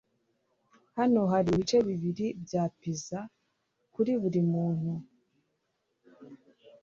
Hano hari ibice bibiri bya pizza kuri buri muntu. (ryanwhiting)